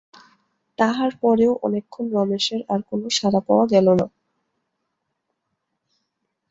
তাহার পরেও অনেকক্ষণ রমেশের আর কোনো সাড়া পাওয়া গেল না।